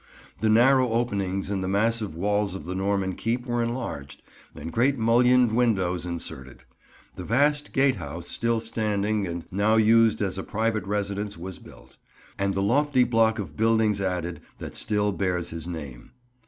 The narrow openings in the massive walls of the Norman keep were enlarged and great mullioned windows inserted; the vast Gatehouse still standing and now used as a private residence was built; and the lofty block of buildings added that still bears his name.